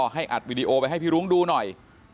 ให้อัดวิดีโอไปให้พี่รุ้งดูหน่อย